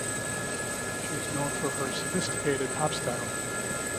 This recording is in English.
She is known for her sophisticated pop style.